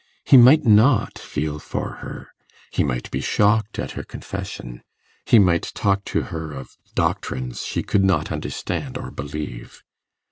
He might not feel for her he might be shocked at her confession he might talk to her of doctrines she could not understand or believe.